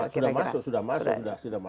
sudah masuk sudah masuk